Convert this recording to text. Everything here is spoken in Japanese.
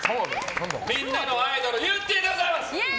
みんなのアイドルゆってぃでございます。